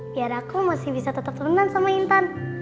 biar aku masih bisa tetap turunan sama intan